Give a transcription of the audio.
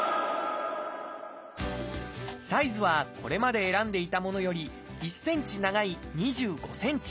サイズはこれまで選んでいたものより１センチ長い２５センチ。